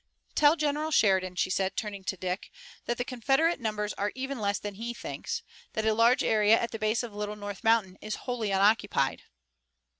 "Tell General Sheridan," she said, turning to Dick, "that the Confederate numbers are even less than he thinks, that a large area at the base of Little North Mountain is wholly unoccupied."